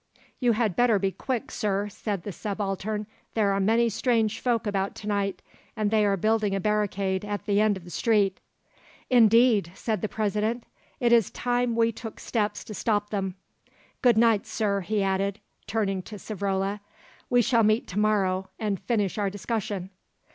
"You had better be quick, Sir," said the Subaltern. "There are many strange folk about to night, and they are building a barricade at the end of the street." "Indeed?" said the President. "It is time we took steps to stop them. Good night, Sir," he added, turning to Savrola; "we shall meet to morrow and finish our discussion."